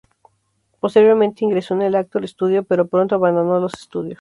Posteriormente ingresó en el Actors Studio, pero pronto abandonó los estudios.